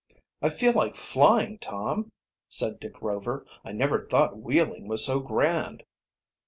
"I feel like flying, Tom," said Dick Rover. "I never thought wheeling was so grand."